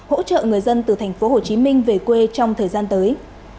hỗ trợ người dân từ tp hcm về quê trong thời gian tới